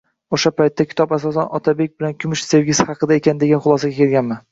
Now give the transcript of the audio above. O‘sha paytda kitob asosan Otabek bilan Kumush sevgisi haqida ekan, degan xulosaga kelganman.